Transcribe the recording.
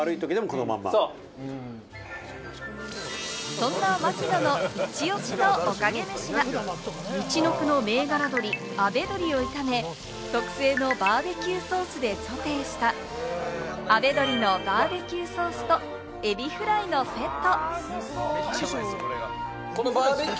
そんな槙野のイチオシのおかげ飯は、みちのくの銘柄鶏・あべどりを炒め、特製のバーベキューソースでソテーしたあべどりのＢＢＱソース＆エビフライのセット。